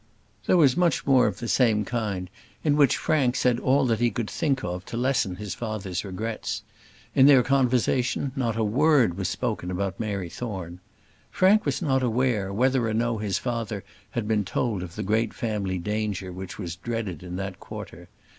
There was much more of the same kind, in which Frank said all that he could think of to lessen his father's regrets. In their conversation not a word was spoken about Mary Thorne. Frank was not aware whether or no his father had been told of the great family danger which was dreaded in that quarter.